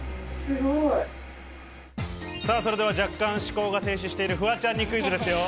それでは若干思考が停止しているフワちゃんにクイズです。